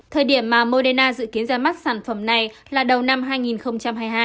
thời điểm mà moderna dự kiến ra mắt sản phẩm này là đầu năm hai nghìn hai mươi hai